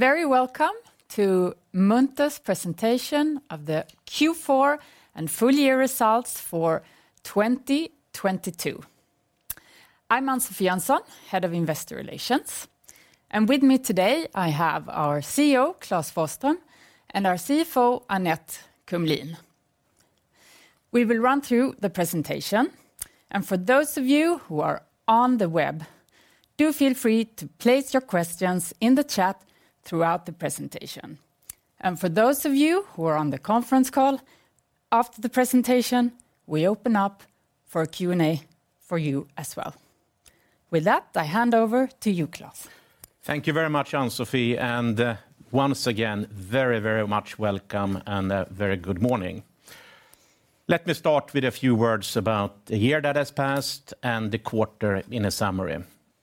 Very welcome to Munters presentation of the Q4 and full year results for 2022. I'm Ann-Sofi Jönsson, head of investor relations, and with me today I have our CEO, Klas Forsström, and our CFO, Annette Kumlien. We will run through the presentation, and for those of you who are on the web, do feel free to place your questions in the chat throughout the presentation. For those of you who are on the conference call, after the presentation, we open up for Q&A for you as well. With that, I hand over to you, Klas. Thank you very much, Ann-Sofi, and once again, very, very much welcome and a very good morning. Let me start with a few words about the year that has passed and the quarter in a summary.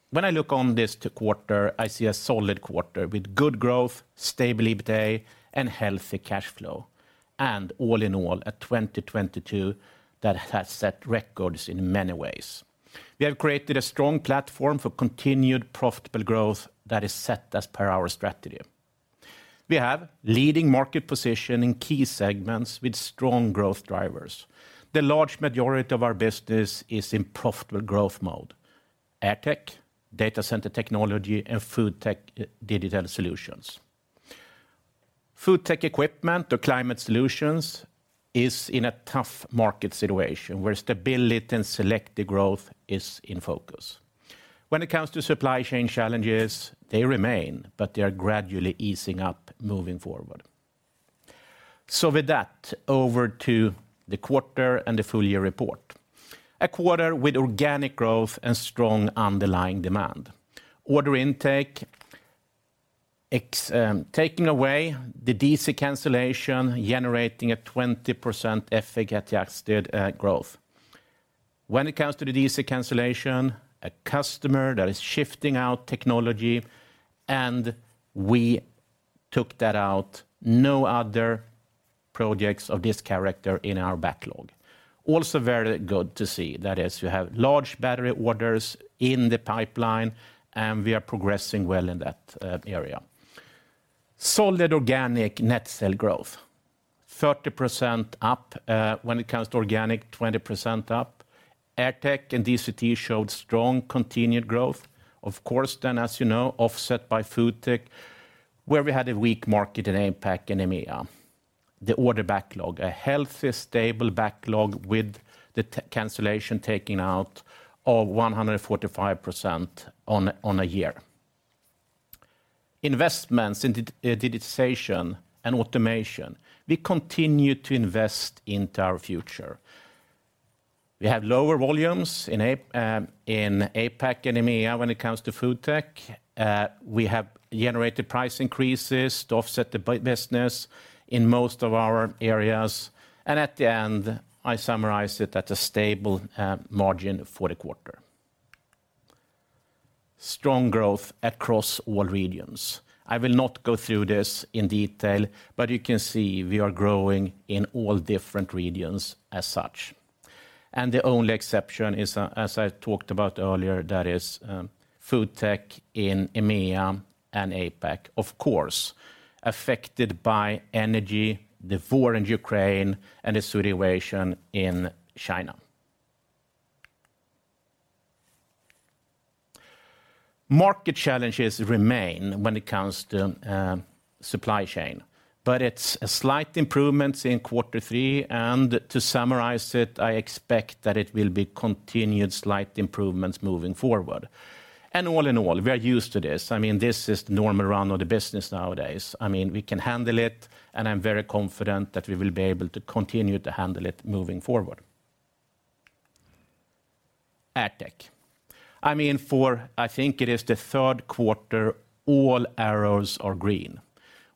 When I look on this quarter, I see a solid quarter with good growth, stable EBITDA, and healthy cash flow, and all in all, a 2022 that has set records in many ways. We have created a strong platform for continued profitable growth that is set as per our strategy. We have leading market position in key segments with strong growth drivers. The large majority of our business is in profitable growth mode: AirTech, data center technology, and FoodTech, digital solutions. FoodTech equipment or climate solutions is in a tough market situation where stability and selective growth is in focus. When it comes to supply chain challenges, they remain, but they are gradually easing up moving forward. With that, over to the quarter and the full year report. A quarter with organic growth and strong underlying demand. Order intake taking away the D.C. cancellation, generating a 20% effect at the adjusted growth. When it comes to the D.C. cancellation, a customer that is shifting out technology, and we took that out, no other projects of this character in our backlog. Also very good to see that is we have large battery orders in the pipeline, and we are progressing well in that area. Solid organic net cell growth, 30% up, when it comes to organic, 20% up. AirTech and DCT showed strong continued growth. Of course, as you know, offset by FoodTech, where we had a weak market in APAC and EMEA. The order backlog, a healthy, stable backlog with the cancellation taking out of 145% on a year. Investments in digitization and automation. We continue to invest into our future. We have lower volumes in APAC and EMEA when it comes to FoodTech. We have generated price increases to offset the business in most of our areas. At the end, I summarize it at a stable margin for the quarter. Strong growth across all regions. I will not go through this in detail, but you can see we are growing in all different regions as such. The only exception is, as I talked about earlier, that is, FoodTech in EMEA and APAC, of course, affected by energy, the war in Ukraine, and the situation in China. Market challenges remain when it comes to supply chain, but it's a slight improvements in quarter three, and to summarize it, I expect that it will be continued slight improvements moving forward. All in all, we are used to this. I mean, this is the normal run of the business nowadays. I mean, we can handle it, and I'm very confident that we will be able to continue to handle it moving forward. AirTech. I mean, for, I think it is the third quarter, all arrows are green.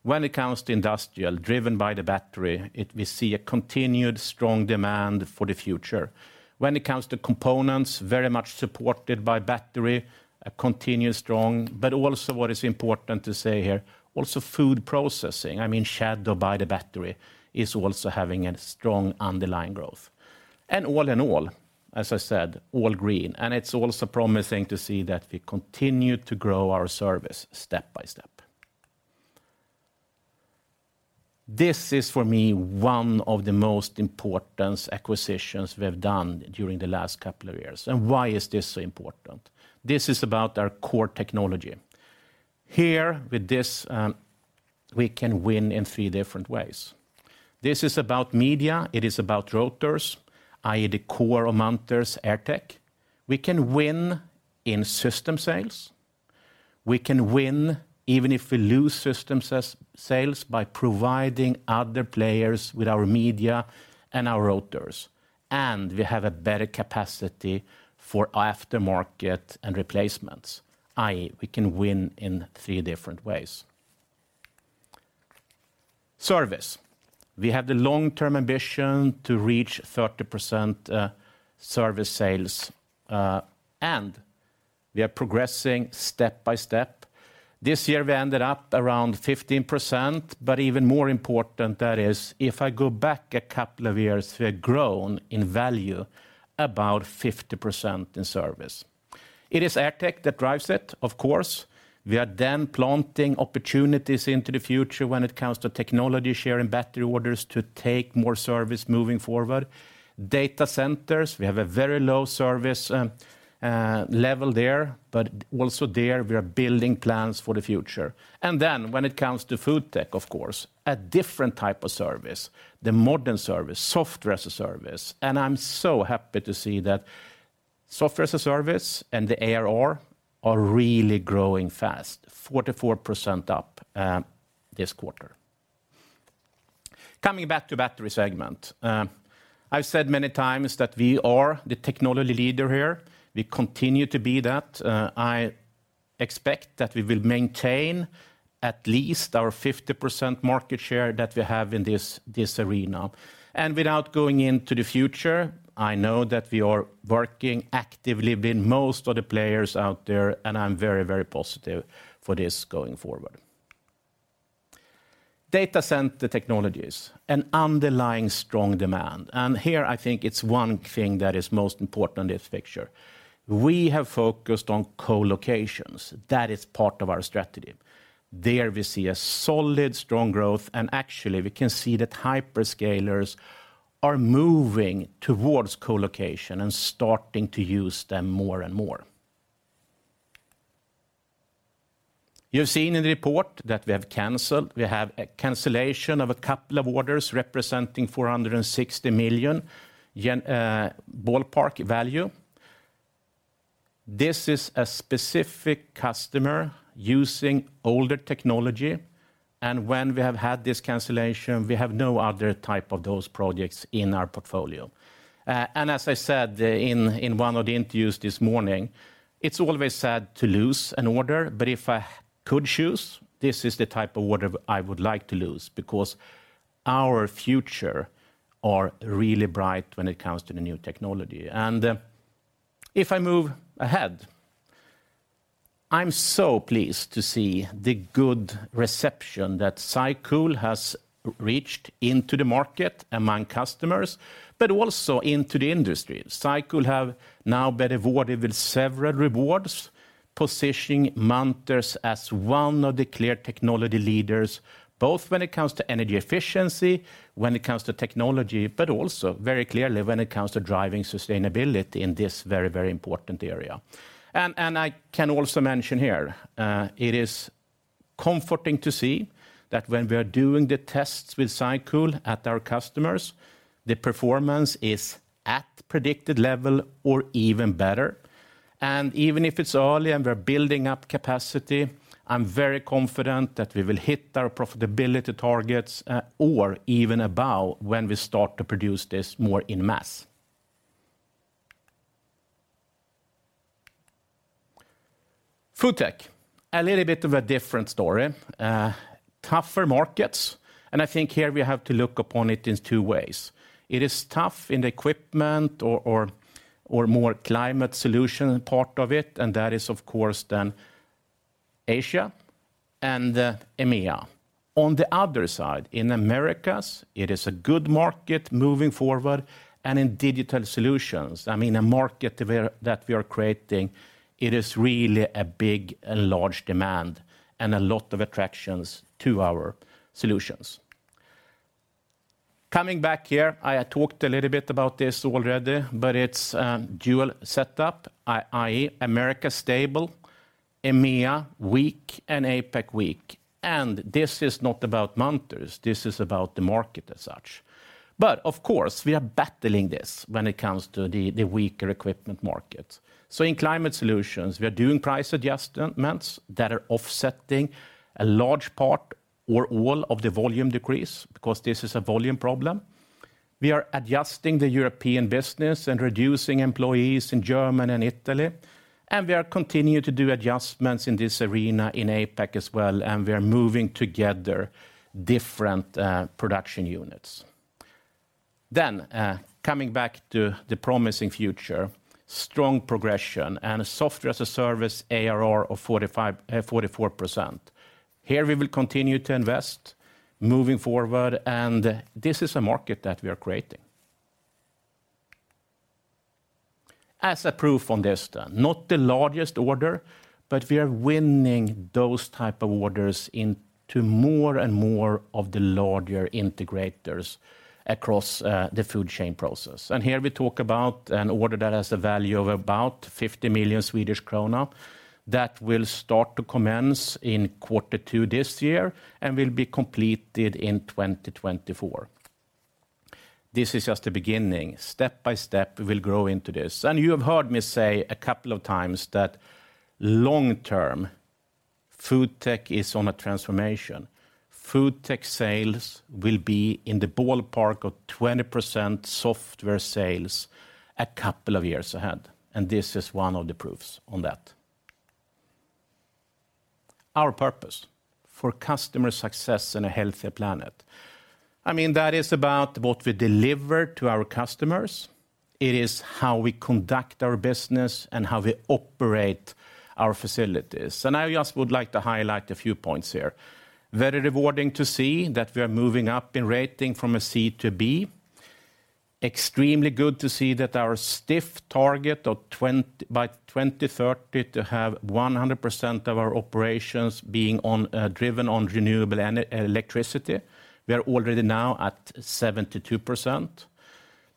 When it comes to industrial, driven by the battery, we see a continued strong demand for the future. When it comes to components, very much supported by battery, a continued strong. Also what is important to say here, also food processing, I mean, shared by the battery, is also having a strong underlying growth. All in all, as I said, all green. It's also promising to see that we continue to grow our service step by step. This is, for me, one of the most importance acquisitions we've done during the last couple of years. Why is this so important? This is about our core technology. Here, with this, we can win in three different ways. This is about media. It is about rotors, i.e., the core of Munters AirTech. We can win in system sales. We can win even if we lose systems sales by providing other players with our media and our rotors. We have a better capacity for aftermarket and replacements, i.e., we can win in three different ways. Service. We have the long-term ambition to reach 30% service sales, and we are progressing step by step. This year, we ended up around 15%, but even more important that is if I go back a couple of years, we have grown in value about 50% in service. It is AirTech that drives it, of course. We are then planting opportunities into the future when it comes to technology share and battery orders to take more service moving forward. Data centers, we have a very low service level there, but also there, we are building plans for the future. When it comes to FoodTech, of course, a different type of service, the modern service, software as a service. I'm so happy to see that software as a service and the ARR are really growing fast, 44% up this quarter. Coming back to battery segment. I've said many times that we are the technology leader here. We continue to be that. I expect that we will maintain at least our 50% market share that we have in this arena. Without going into the future, I know that we are working actively with most of the players out there, and I'm very, very positive for this going forward. Data center technologies, an underlying strong demand. Here I think it's one thing that is most important in this picture. We have focused on co-locations. That is part of our strategy. There we see a solid, strong growth, actually, we can see that hyperscalers are moving towards co-location and starting to use them more and more. You've seen in the report that we have canceled. We have a cancellation of a couple of orders representing SEK 460 million ballpark value. This is a specific customer using older technology, and when we have had this cancellation, we have no other type of those projects in our portfolio. As I said, in one of the interviews this morning, it's always sad to lose an order, but if I could choose, this is the type of order I would like to lose because our future are really bright when it comes to the new technology. If I move ahead, I'm so pleased to see the good reception that SyCool has reached into the market among customers, but also into the industry. SyCool have now been awarded with several rewards, positioning Munters as one of the clear technology leaders, both when it comes to energy efficiency, when it comes to technology, but also very clearly when it comes to driving sustainability in this very, very important area. I can also mention here, it is comforting to see that when we are doing the tests with SyCool at our customers, the performance is at predicted level or even better. Even if it's early and we're building up capacity, I'm very confident that we will hit our profitability targets or even above when we start to produce this more en masse. FoodTech, a little bit of a different story. Tougher markets. I think here we have to look upon it in two ways. It is tough in the equipment or more climate solution part of it. That is of course then Asia and EMEA. On the other side, in Americas, it is a good market moving forward. In digital solutions, I mean, a market that we are creating, it is really a big and large demand and a lot of attractions to our solutions. Coming back here, I talked a little bit about this already. It's dual setup, i.e. America stable, EMEA weak, and APAC weak. This is not about Munters. This is about the market as such. Of course, we are battling this when it comes to the weaker equipment markets. In climate solutions, we are doing price adjustments that are offsetting a large part or all of the volume decrease because this is a volume problem. We are adjusting the European business and reducing employees in Germany and Italy, and we are continuing to do adjustments in this arena in APAC as well, and we are moving together different production units. Coming back to the promising future, strong progression, and a software-as-a-service ARR of 44%. Here we will continue to invest moving forward, and this is a market that we are creating. As a proof on this then, not the largest order, but we are winning those type of orders into more and more of the larger integrators across the food chain process. Here we talk about an order that has a value of about 50 million Swedish krona that will start to commence in quarter two this year and will be completed in 2024. This is just the beginning. Step by step, we will grow into this. You have heard me say a couple of times that long term, FoodTech is on a transformation. FoodTech sales will be in the ballpark of 20% software sales a couple of years ahead, and this is one of the proofs on that. Our purpose: for customer success and a healthier planet. I mean, that is about what we deliver to our customers. It is how we conduct our business and how we operate our facilities. I just would like to highlight a few points here. Very rewarding to see that we are moving up in rating from a C to B. Extremely good to see that our stiff target of by 2030 to have 100% of our operations being on driven on renewable electricity. We are already now at 72%.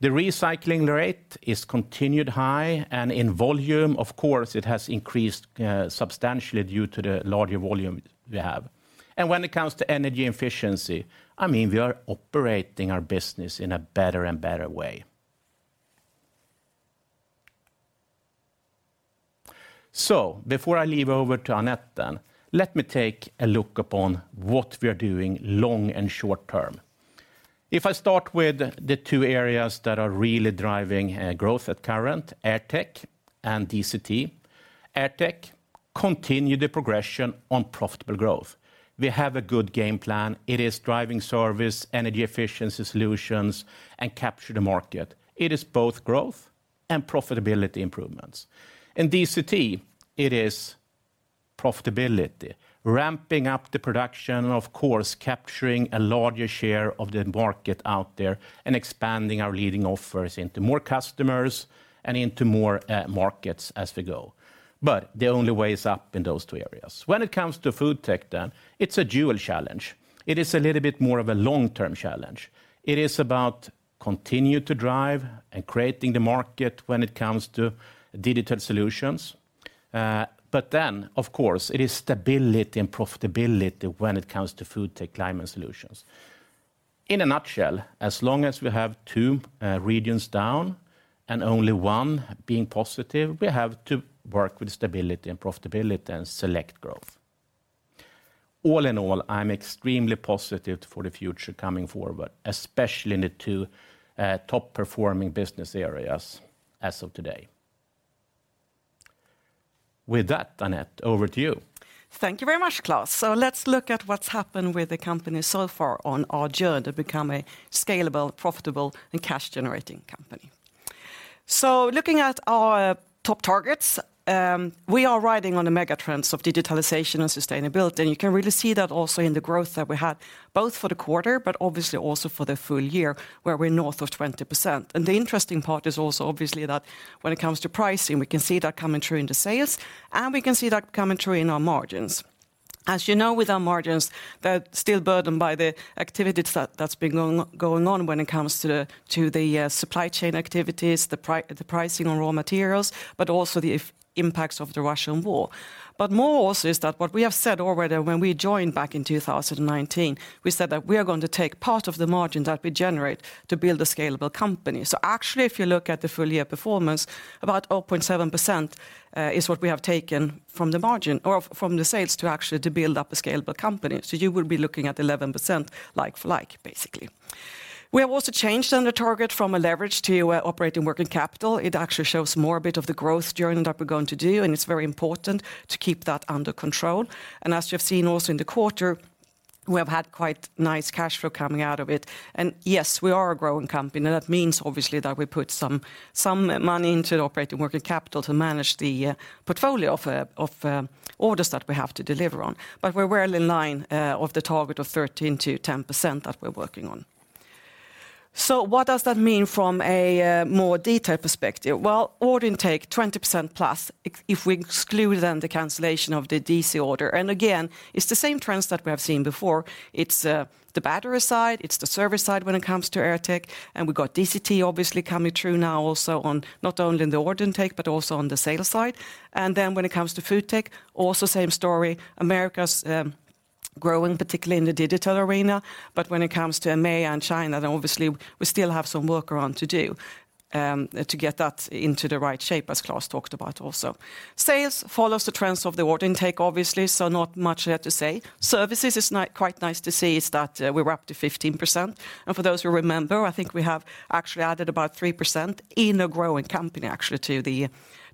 The recycling rate is continued high, and in volume, of course, it has increased, substantially due to the larger volume we have. When it comes to energy efficiency, I mean, we are operating our business in a better and better way. Before I leave over to Annette then, let me take a look upon what we are doing long and short term. If I start with the two areas that are really driving, growth at current, AirTech and DCT. AirTech continue the progression on profitable growth. We have a good game plan. It is driving service, energy efficiency solutions, and capture the market. It is both growth and profitability improvements. In DCT, it is profitability. Ramping up the production, of course, capturing a larger share of the market out there and expanding our leading offers into more customers and into more markets as we go. The only way is up in those two areas. When it comes to FoodTech, it's a dual challenge. It is a little bit more of a long-term challenge. It is about continue to drive and creating the market when it comes to digital solutions. Of course, it is stability and profitability when it comes to FoodTech climate solutions. In a nutshell, as long as we have two regions down and only 1 being positive, we have to work with stability and profitability and select growth. All in all, I'm extremely positive for the future coming forward, especially in the two, top-performing business areas as of today. With that, Annette, over to you. Thank you very much, Klas. Let's look at what's happened with the company so far on our journey to become a scalable, profitable, and cash-generating company. Looking at our top targets, we are riding on the mega trends of digitalization and sustainability. You can really see that also in the growth that we had, both for the quarter, but obviously also for the full year, where we're north of 20%. The interesting part is also obviously that when it comes to pricing, we can see that coming through in the sales, and we can see that coming through in our margins. As you know, with our margins, they're still burdened by the activities that's been going on when it comes to the supply chain activities, the pricing on raw materials, but also the impacts of the Russian war. More also is that what we have said already when we joined back in 2019, we said that we are going to take part of the margin that we generate to build a scalable company. Actually, if you look at the full year performance, about 0.7% is what we have taken from the margin or from the sales to actually to build up a scalable company. You will be looking at 11% like for like, basically. We have also changed then the target from a leverage to operating working capital. It actually shows more a bit of the growth journey that we're going to do, and it's very important to keep that under control. As you have seen also in the quarter, we have had quite nice cash flow coming out of it. Yes, we are a growing company, and that means obviously that we put some money into operating working capital to manage the portfolio of orders that we have to deliver on. We're well in line of the target of 13%-10% that we're working on. What does that mean from a more detailed perspective? Well, order intake, 20% plus, if we exclude then the cancellation of the DC order. Again, it's the same trends that we have seen before. It's the battery side, it's the service side when it comes to AirTech. We've got DCT obviously coming through now also on not only in the order intake, but also on the sales side. When it comes to FoodTech, also same story. America's growing, particularly in the digital arena. When it comes to MEA and China, obviously we still have some work around to do to get that into the right shape, as Klas talked about also. Sales follows the trends of the order intake, obviously, not much left to say. Services, it's quite nice to see is that we're up to 15%. For those who remember, I think we have actually added about 3% in a growing company, actually, to the,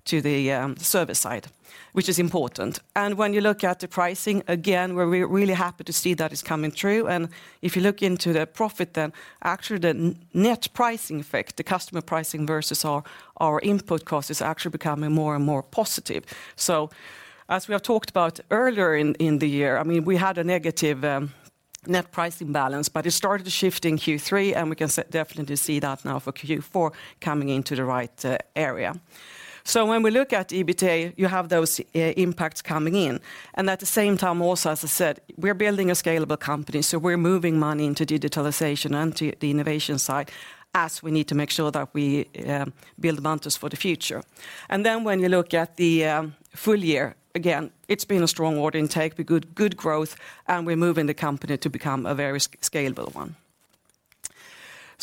to the service side, which is important. When you look at the pricing, again, we're really happy to see that it's coming through. If you look into the profit, actually the net pricing effect, the customer pricing versus our input cost, is actually becoming more and more positive. As we have talked about earlier in the year, I mean, we had a negative net pricing balance, but it started to shift in Q3, and we can definitely see that now for Q4 coming into the right area. When we look at EBITDA, you have those impacts coming in. At the same time also, as I said, we're building a scalable company, so we're moving money into digitalization and to the innovation side as we need to make sure that we build Munters for the future. When you look at the full year, again, it's been a strong order intake, the good growth, and we're moving the company to become a very scalable one.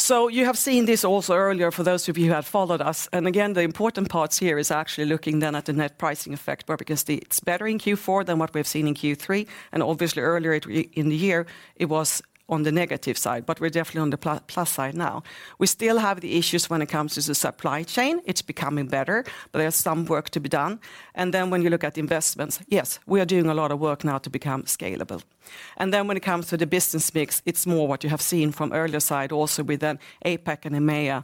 You have seen this also earlier for those of you who have followed us. The important parts here is actually looking then at the net pricing effect, where we can see it's better in Q4 than what we have seen in Q3. Obviously earlier it, in the year, it was on the negative side, but we're definitely on the plus side now. We still have the issues when it comes to the supply chain. It's becoming better, but there's some work to be done. When you look at the investments, yes, we are doing a lot of work now to become scalable. When it comes to the business mix, it's more what you have seen from earlier side also with then APAC and MEA,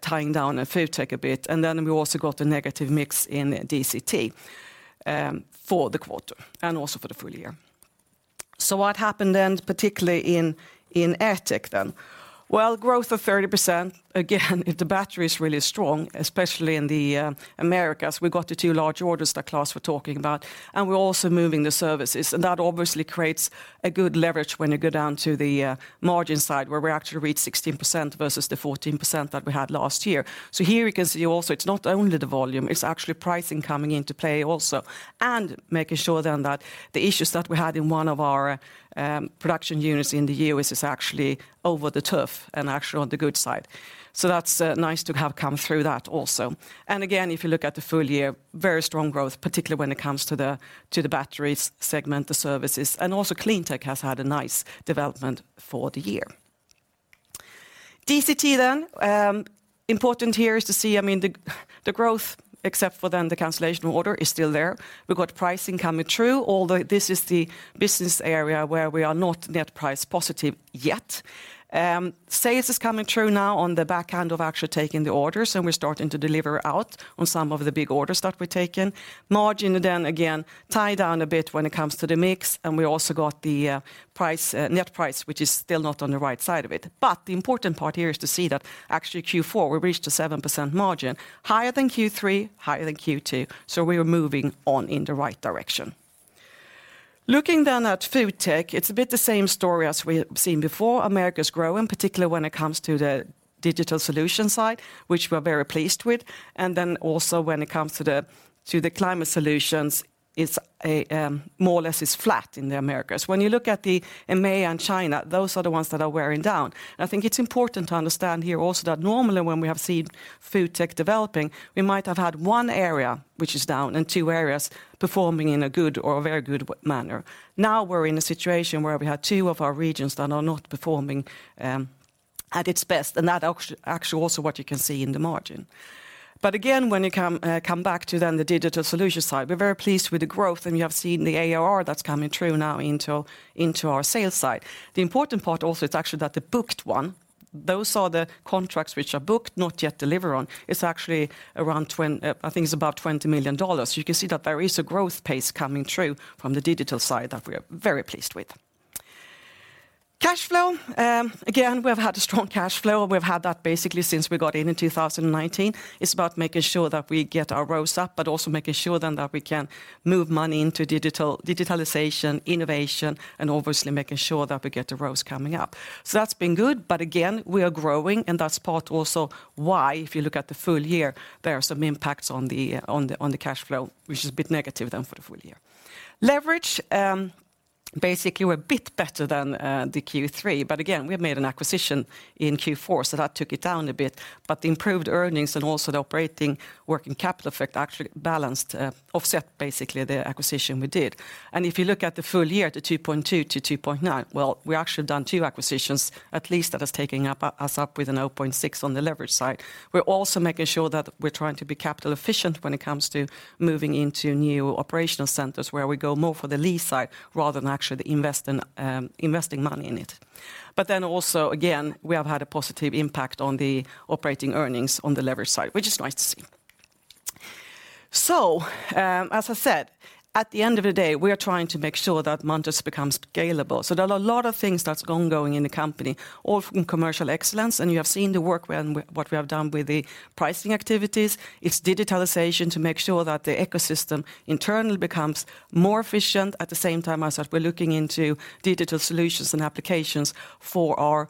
tying down FoodTech a bit. Then we also got a negative mix in DCT, for the quarter and also for the full year. What happened then, particularly in AirTech then? Well, growth of 30%. Again, the battery is really strong, especially in the Americas. We got the 2 large orders that Klas Forsström were talking about, and we're also moving the services. That obviously creates a good leverage when you go down to the margin side, where we actually reached 16% versus the 14% that we had last year. Here you can see also it's not only the volume, it's actually pricing coming into play also, and making sure then that the issues that we had in 1 of our production units in the year is actually over the turf and actually on the good side. That's nice to have come through that also. Again, if you look at the full year, very strong growth, particularly when it comes to the batteries segment, the services, and also Cleantech has had a nice development for the year. DCT, important here is to see, I mean, the growth, except for the cancellation order is still there. We've got pricing coming through, although this is the business area where we are not net price positive yet. Sales is coming through now on the back end of actually taking the orders, and we're starting to deliver out on some of the big orders that we've taken. Margin again, tie down a bit when it comes to the mix, and we also got the price, net price, which is still not on the right side of it. The important part here is to see that actually Q4, we reached a 7% margin, higher than Q3, higher than Q2. We are moving on in the right direction. Looking at FoodTech, it's a bit the same story as we have seen before. Americas growing, particularly when it comes to the digital solution side, which we're very pleased with. Also when it comes to the climate solutions, it's a more or less flat in the Americas. When you look at the MEA and China, those are the ones that are wearing down. I think it's important to understand here also that normally when we have seen FoodTech developing, we might have had one area which is down and two areas performing in a good or a very good manner. Now we're in a situation where we have two of our regions that are not performing, at its best, and that actually also what you can see in the margin. Again, when you come back to then the digital solution side, we're very pleased with the growth, and you have seen the ARR that's coming through now into our sales side. The important part also, it's actually that the booked one, those are the contracts which are booked, not yet delivered on. It's actually around, I think it's about $20 million. You can see that there is a growth pace coming through from the digital side that we are very pleased with. Cash flow, again, we've had a strong cash flow. We've had that basically since we got in in 2019. It's about making sure that we get our ROAs up, but also making sure then that we can move money into digital, digitalization, innovation, and obviously making sure that we get the ROAs coming up. That's been good. Again, we are growing, and that's part also why, if you look at the full year, there are some impacts on the, on the, on the cash flow, which is a bit negative then for the full year. Leverage basically were a bit better than the Q3. Again, we have made an acquisition in Q4, so that took it down a bit. The improved earnings and also the operating working capital effect actually balanced, offset basically the acquisition we did. If you look at the full year, the 2.2-2.9, well, we actually done two acquisitions, at least that is taking us up with an 0.6 on the leverage side. We're also making sure that we're trying to be capital efficient when it comes to moving into new operational centers, where we go more for the lease side rather than actually invest in, investing money in it. Also again, we have had a positive impact on the operating earnings on the leverage side, which is nice to see. As I said, at the end of the day, we are trying to make sure that Munters becomes scalable. There are a lot of things that's gone going in the company, all from commercial excellence. You have seen the work what we have done with the pricing activities. It's digitalization to make sure that the ecosystem internally becomes more efficient. At the same time as that, we're looking into digital solutions and applications for our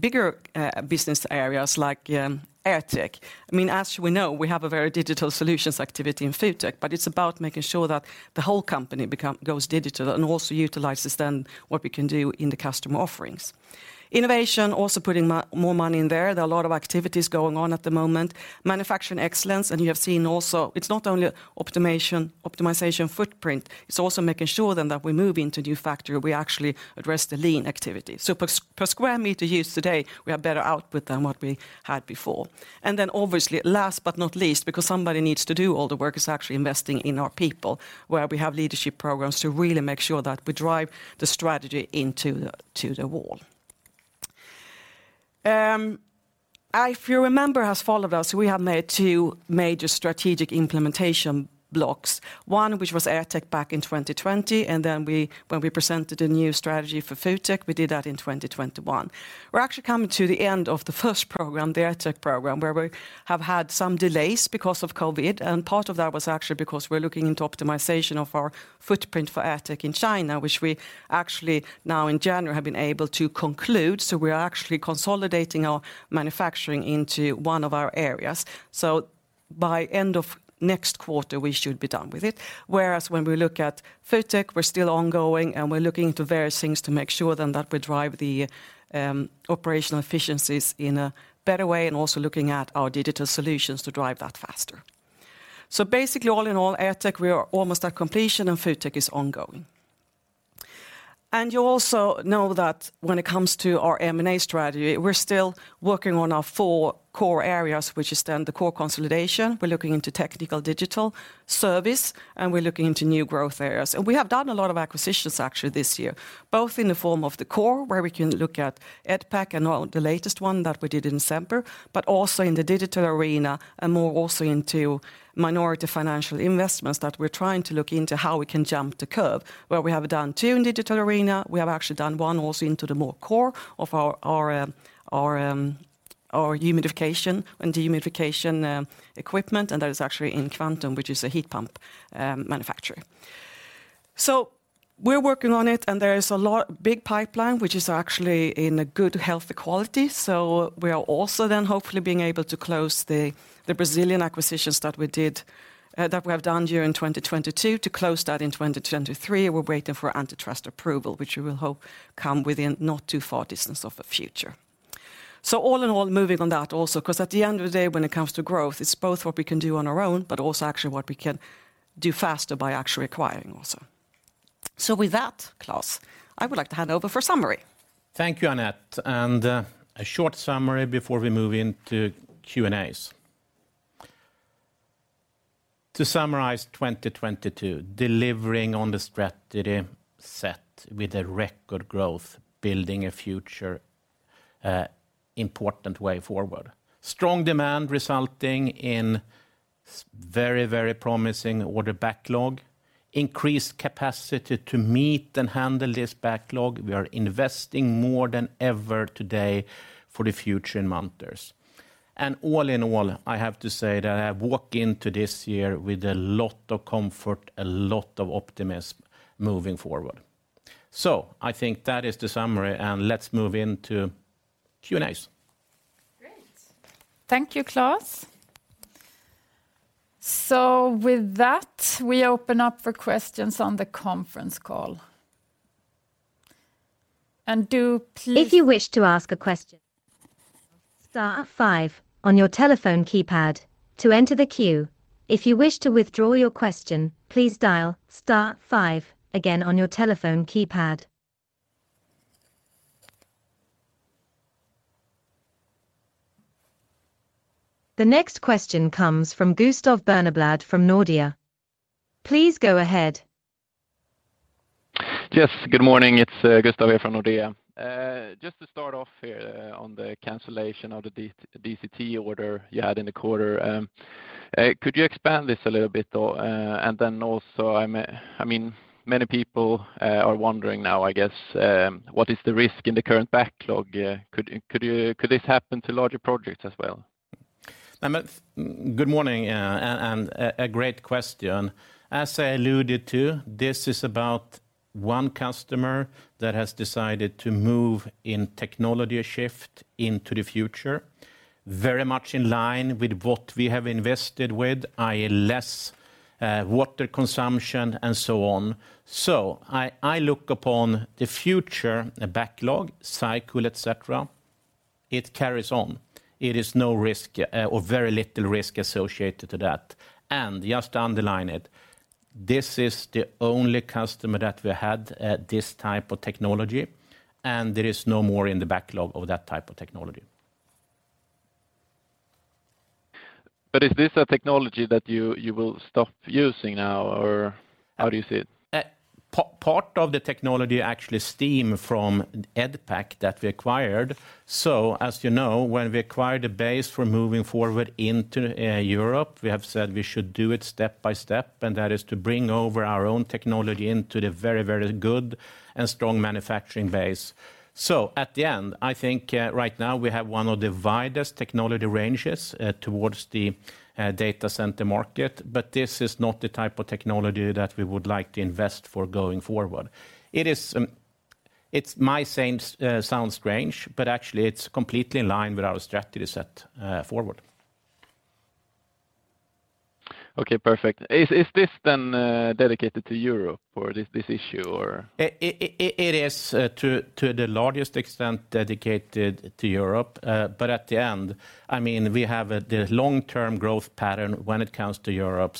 bigger business areas like AirTech. I mean, as we know, we have a very digital solutions activity in FoodTech, it's about making sure that the whole company goes digital and also utilizes then what we can do in the customer offerings. Innovation, also putting more money in there. There are a lot of activities going on at the moment. Manufacturing excellence, you have seen also it's not only optimization footprint, it's also making sure then that we move into new factory, we actually address the lean activity. Per square meter used today, we have better output than what we had before. Obviously, last but not least, because somebody needs to do all the work, is actually investing in our people, where we have leadership programs to really make sure that we drive the strategy into the, to the wall. If you remember has followed us, we have made two major strategic implementation blocks. One, which was AirTech back in 2020, and then when we presented a new strategy for FoodTech, we did that in 2021. We're actually coming to the end of the first program, the AirTech program, where we have had some delays because of COVID. Part of that was actually because we're looking into optimization of our footprint for AirTech in China, which we actually now in January have been able to conclude. We are actually consolidating our manufacturing into one of our areas. By end of next quarter, we should be done with it. Whereas when we look at FoodTech, we're still ongoing, and we're looking into various things to make sure then that we drive the operational efficiencies in a better way, and also looking at our digital solutions to drive that faster. Basically all in all, AirTech, we are almost at completion, and FoodTech is ongoing. You also know that when it comes to our M&A strategy, we're still working on our four core areas, which is then the core consolidation. We're looking into technical digital service, and we're looking into new growth areas. We have done a lot of acquisitions actually this year, both in the form of the core, where we can look at EDPAC and all the latest one that we did in Zemper, but also in the digital arena and more also into minority financial investments that we're trying to look into how we can jump the curve. Where we have done two in digital arena, we have actually done one also into the more core of our humidification and dehumidification equipment, and that is actually in Quantum, which is a heat pump manufacturer. We're working on it, and there is a big pipeline, which is actually in a good health quality. We are also then hopefully being able to close the Brazilian acquisitions that we did, that we have done during 2022, to close that in 2023. We're waiting for antitrust approval, which we will hope come within not too far distance of the future. All in all, moving on that also, 'cause at the end of the day, when it comes to growth, it's both what we can do on our own, but also actually what we can do faster by actually acquiring also. With that, Klas, I would like to hand over for summary. Thank you, Annette, and, a short summary before we move into Q&As. To summarize 2022, delivering on the strategy set with a record growth, building a future, important way forward. Strong demand resulting in very, very promising order backlog, increased capacity to meet and handle this backlog. We are investing more than ever today for the future in Munters. All in all, I have to say that I walk into this year with a lot of comfort, a lot of optimism moving forward. I think that is the summary, and let's move into Q&As. Great. Thank you, Klas. With that, we open up for questions on the conference call. Do please. If you wish to ask a question, star five on your telephone keypad to enter the queue. If you wish to withdraw your question, please dial star five again on your telephone keypad. The next question comes from Gustav Berneblad from Nordea. Please go ahead. Yes, good morning. It's, Gustav here from Nordea. Just to start off here, on the cancellation of the DCT order you had in the quarter. Could you expand this a little bit or? Also I mean, many people are wondering now, I guess, what is the risk in the current backlog? Could this happen to larger projects as well? Good morning, and a great question. As I alluded to, this is about one customer that has decided to move in technology shift into the future, very much in line with what we have invested with, i.e., less water consumption and so on. I look upon the future backlog DryCool, et cetera, it carries on. It is no risk, or very little risk associated to that. Just to underline it, this is the only customer that we had this type of technology, and there is no more in the backlog of that type of technology. Is this a technology that you will stop using now, or how do you see it? Part of the technology actually stem from the EDPAC that we acquired. As you know, when we acquired the base for moving forward into Europe, we have said we should do it step by step, and that is to bring over our own technology into the very, very good and strong manufacturing base. At the end, I think, right now we have one of the widest technology ranges towards the data center market. This is not the type of technology that we would like to invest for going forward. It is, it's might seem sound strange, but actually it's completely in line with our strategy set forward. Perfect. Is this then dedicated to Europe or is this issue or? It is to the largest extent dedicated to Europe. At the end, I mean, we have, the long-term growth pattern when it comes to Europe,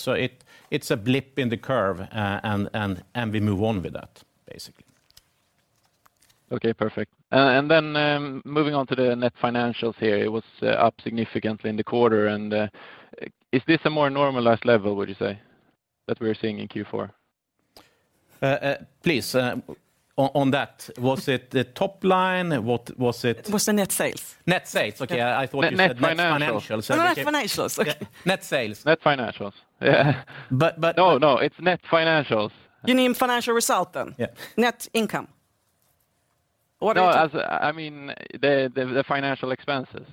it's a blip in the curve, and we move on with that, basically. Okay, perfect. Moving on to the net financials here, it was up significantly in the quarter. Is this a more normalized level, would you say, that we're seeing in Q4? Please, on that, was it the top line? What was it? It was the net sales. Net sales. Okay, I thought you said net financials. Net financials. Net financials. Net sales. Net financials. But, but- No, no, it's net financials. You mean financial result then? Yeah. Net income. What is- No, as, I mean, the financial expenses.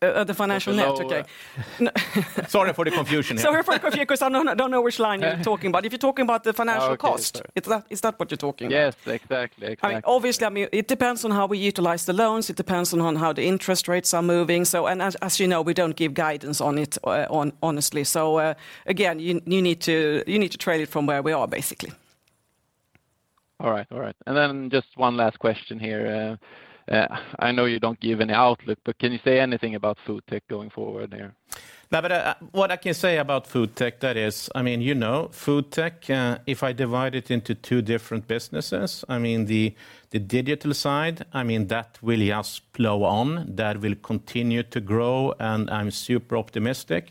The financial net, okay. Sorry for the confusion here. Sorry for the confusion, 'cause I don't know which line you're talking about. If you're talking about the financial cost- Oh, yes.... is that what you're talking about? Yes, exactly. Exactly. I mean, obviously, I mean, it depends on how we utilize the loans. It depends on how the interest rates are moving. As you know, we don't give guidance on it, honestly. Again, you need to trade it from where we are, basically. All right. All right. Just one last question here. I know you don't give any outlook, but can you say anything about FoodTech going forward there? What I can say about FoodTech, that is, I mean, you know, FoodTech, if I divide it into two different businesses, I mean, the digital side, I mean, that will just plow on. That will continue to grow, and I'm super optimistic.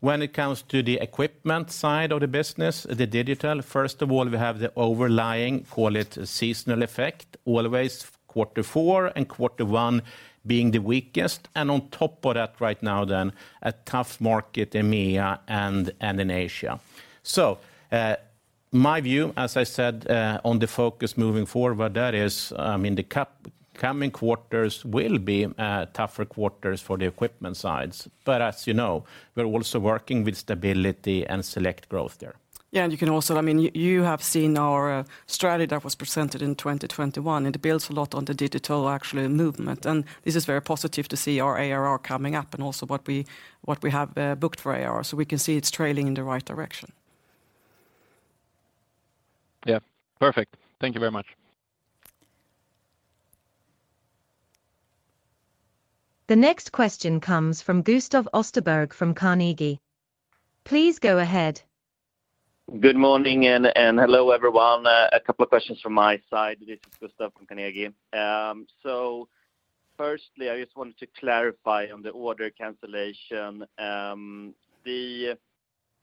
When it comes to the equipment side of the business, the digital, first of all, we have the overlying, call it, seasonal effect, always quarter four and quarter one being the weakest. On top of that right now then, a tough market in MEA and in Asia. My view, as I said, on the focus moving forward, that is, in the coming quarters will be tougher quarters for the equipment sides. As you know, we're also working with stability and select growth there. Yeah. You can also, I mean, you have seen our strategy that was presented in 2021, and it builds a lot on the digital actual movement. This is very positive to see our ARR coming up and also what we have booked for ARR, so we can see it's trailing in the right direction. Yeah. Perfect. Thank you very much. The next question comes from Gustav Österberg from Carnegie. Please go ahead. Good morning and hello, everyone. A couple of questions from my side. This is Gustav from Carnegie. Firstly, I just wanted to clarify on the order cancellation. The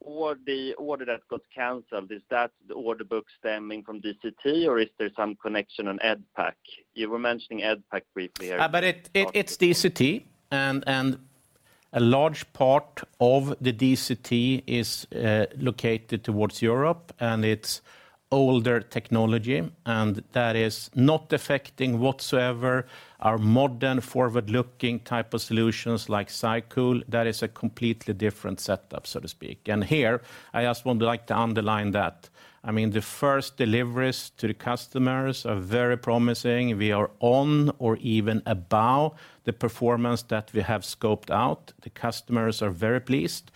order that got canceled, is that the order book stemming from DCT, or is there some connection on EDPAC? You were mentioning EDPAC briefly earlier- But it's DCT. A large part of the DCT is located towards Europe, and it's older technology, and that is not affecting whatsoever our modern forward-looking type of solutions like SyCool. That is a completely different setup, so to speak. Here, I just like to underline that. I mean, the first deliveries to the customers are very promising. We are on or even above the performance that we have scoped out. The customers are very pleased.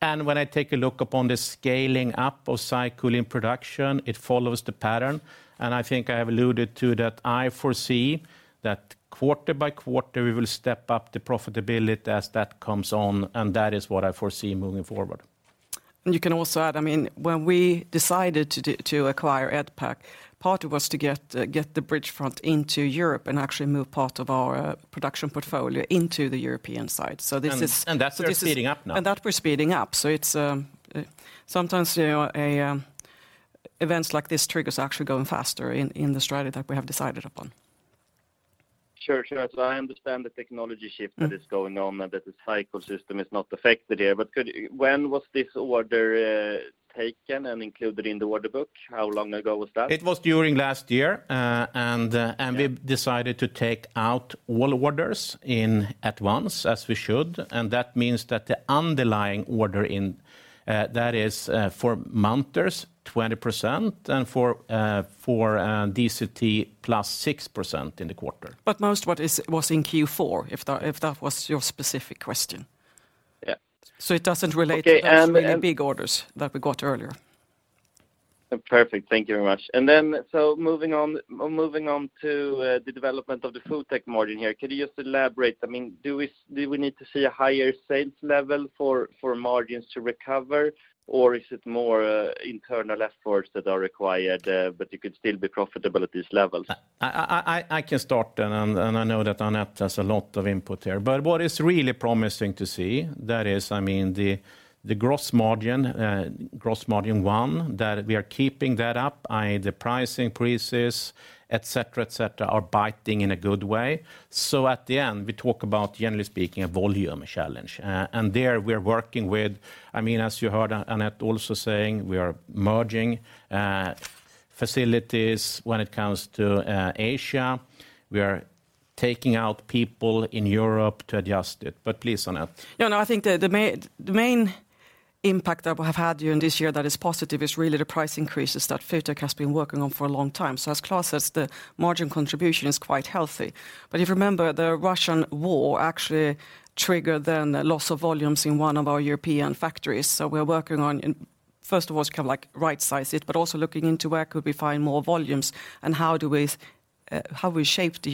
When I take a look upon the scaling up of SyCool in production, it follows the pattern. I think I have alluded to that I foresee that quarter by quarter we will step up the profitability as that comes on, and that is what I foresee moving forward. You can also add, I mean, when we decided to acquire EDPAC, part of was to get the bridge front into Europe and actually move part of our production portfolio into the European side. This is. That we're speeding up now.... and that we're speeding up. It's, sometimes, you know, events like this trigger us actually going faster in the strategy that we have decided upon. Sure, sure. I understand the technology shift that is going on and that the DryCool system is not affected here. When was this order taken and included in the order book? How long ago was that? It was during last year. Yeah... and we decided to take out all orders in at once as we should. That means that the underlying order in that is for Munters, 20%, and for DCT, +6% in the quarter. Most was in Q4, if that was your specific question. Yeah. It doesn't relate. Okay.... to those really big orders that we got earlier. Perfect. Thank you very much. Moving on to the development of the FoodTech margin here. Could you just elaborate, I mean, do we need to see a higher sales level for margins to recover, or is it more internal efforts that are required, but you could still be profitable at these levels? I can start, and I know that Annette has a lot of input here. What is really promising to see, that is, I mean, the gross margin, gross margin one, that we are keeping that up. The price increases, et cetera, et cetera, are biting in a good way. At the end, we talk about, generally speaking, a volume challenge. There we're working with, I mean, as you heard Annette also saying, we are merging facilities when it comes to Asia. We are taking out people in Europe to adjust it. Please, Annette. I think the main impact that we have had during this year that is positive is really the price increases that FoodTech has been working on for a long time. As Klas Forsström says, the margin contribution is quite healthy. If you remember, the Russian war actually triggered then a loss of volumes in one of our European factories. We're working on, first of all, to kind of like rightsize it, but also looking into where could we find more volumes and how do we shape the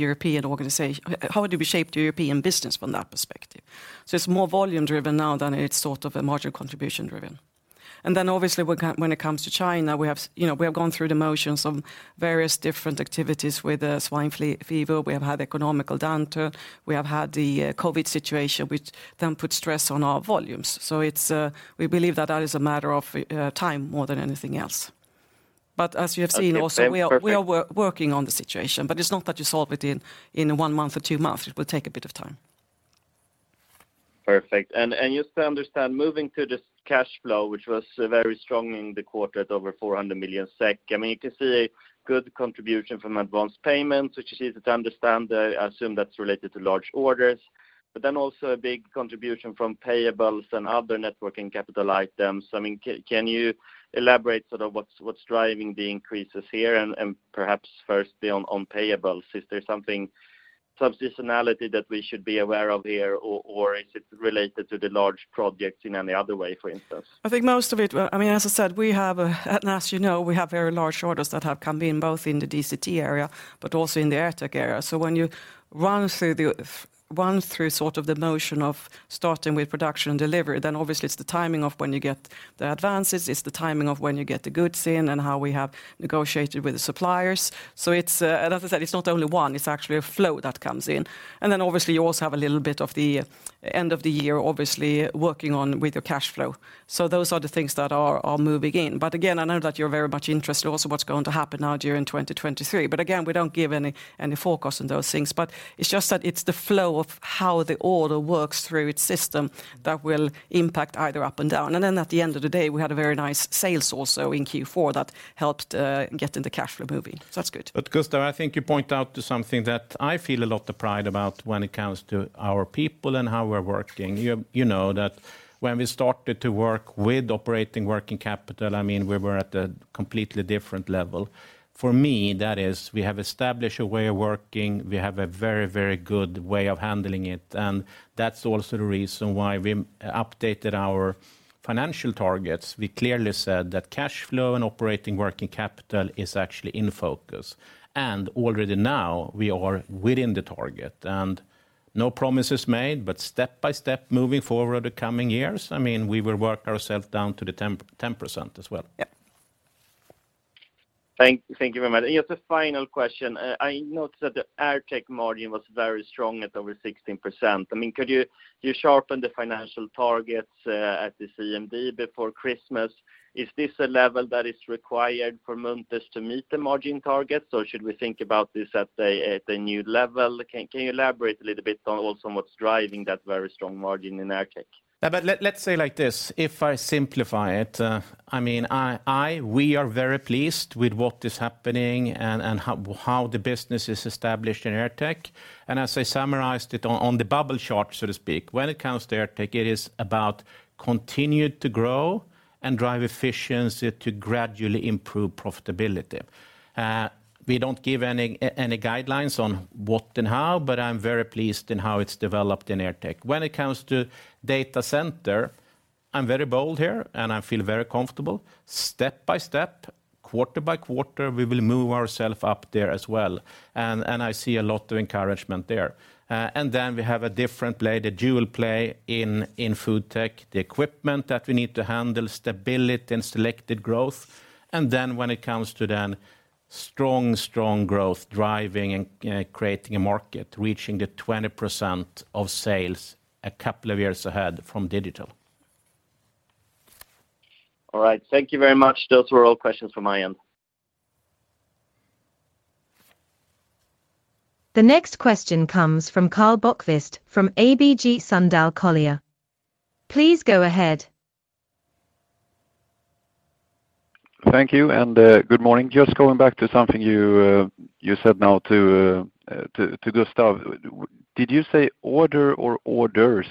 European business from that perspective. It's more volume driven now than it's sort of a margin contribution driven. Obviously, when it comes to China, we have, you know, we have gone through the motions of various different activities with the swine fever. We have had economic downturn. We have had the COVID situation, which then put stress on our volumes. It's. We believe that that is a matter of time more than anything else. As you have seen also... Okay. Perfect. We are working on the situation. It's not that you solve it in one month or two months. It will take a bit of time. Perfect. Just to understand, moving to this cash flow, which was very strong in the quarter at over 400 million SEK. You can see a good contribution from advanced payments, which is easy to understand. I assume that's related to large orders, but then also a big contribution from payables and other net working capital items. Can you elaborate sort of what's driving the increases here? Perhaps firstly on payables, is there something seasonality that we should be aware of here or is it related to the large projects in any other way, for instance? I think most of it. Well, I mean, as I said, we have. As you know, we have very large orders that have come in both in the DCT area, but also in the AirTech area. When you run through the motion of starting with production and delivery, then obviously it's the timing of when you get the advances, it's the timing of when you get the goods in and how we have negotiated with the suppliers. It's, as I said, it's not only one, it's actually a flow that comes in. Then obviously you also have a little bit of the end of the year, obviously working on with your cash flow. Those are the things that are moving in. Again, I know that you're very much interested also what's going to happen now during 2023. Again, we don't give any focus on those things. It's just that it's the flow of how the order works through its system that will impact either up and down. At the end of the day, we had a very nice sales also in Q4 that helped get the cash flow moving. That's good. Gustav, I think you point out to something that I feel a lot of pride about when it comes to our people and how we're working. You know that when we started to work with operating working capital, I mean, we were at a completely different level. For me, that is, we have established a way of working, we have a very good way of handling it, and that's also the reason why we updated our financial targets. We clearly said that cash flow and operating working capital is actually in focus. Already now we are within the target. No promises made, but step by step moving forward the coming years, I mean, we will work ourselves down to the 10% as well. Yeah. Thank you very much. Just a final question. I noticed that the AirTech margin was very strong at over 16%. I mean, You sharpened the financial targets at this CMD before Christmas. Is this a level that is required for Munters to meet the margin targets, or should we think about this at a new level? Can you elaborate a little bit on also what's driving that very strong margin in AirTech? Yeah, but let's say like this, if I simplify it, I mean, we are very pleased with what is happening and how the business is established in AirTech. As I summarized it on the bubble chart, so to speak, when it comes to AirTech, it is about continued to grow and drive efficiency to gradually improve profitability. We don't give any guidelines on what and how, but I'm very pleased in how it's developed in AirTech. When it comes to data center, I'm very bold here, and I feel very comfortable. Step by step, quarter by quarter, we will move ourself up there as well. I see a lot of encouragement there. Then we have a different play, the dual play in FoodTech, the equipment that we need to handle, stability and selected growth. When it comes to then strong growth, driving and creating a market, reaching the 20% of sales a couple of years ahead from digital. All right. Thank you very much. Those were all questions from my end. The next question comes from Karl Bokvist from ABG Sundal Collier. Please go ahead. Thank you, and good morning. Just going back to something you said now to Gustav. Did you say order or orders